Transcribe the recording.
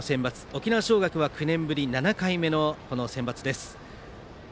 沖縄尚学は９年ぶり７回目のセンバツです。